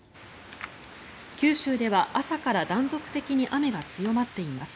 九州では朝から断続的に雨が強まっています。